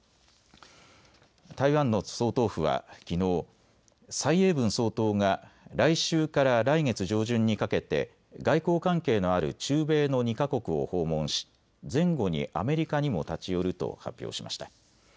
台湾の総統府はきのう、蔡英文総統が来週から来月上旬にかけて外交関係のある中米の２か国を訪問し前後にアメリカにも立ち寄ると発表しました。